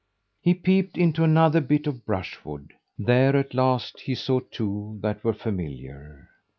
He peeped into another bit of brushwood. There at last he saw two that were familiar.